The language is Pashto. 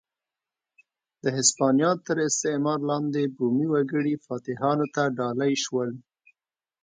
د هسپانیا تر استعمار لاندې بومي وګړي فاتحانو ته ډالۍ شول.